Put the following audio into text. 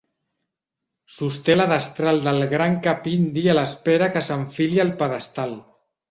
Sosté la destral del gran cap indi a l'espera que s'enfili al pedestal.